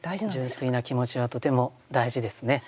純粋な気持ちはとても大事ですね。